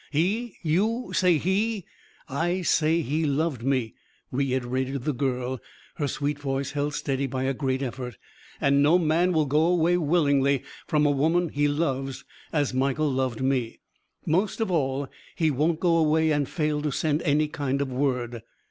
"He you say he " "I say he loved me," reiterated the girl, her sweet voice held steady by a great effort. "And no man will go away willingly from a woman he loves as Michael loved me. Most of all, he won't go away and fail to send any kind of word."